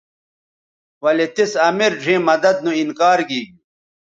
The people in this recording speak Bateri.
ولے تِس امیر ڙھیئں مدد نو انکار گیگیو